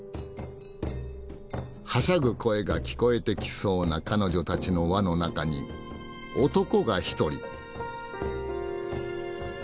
はしゃぐ声が聞こえてきそうな彼女たちの輪の中に男が１人。